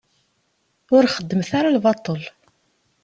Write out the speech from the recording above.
Ur xeddmet ara lbaṭel.